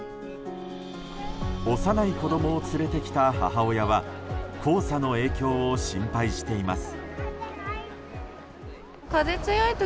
幼い子供を連れてきた母親は黄砂の影響を心配しています。